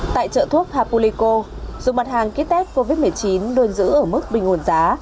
tại chợ thuốc hapuliko dù mặt hàng ký test covid một mươi chín đơn giữ ở mức bình nguồn giá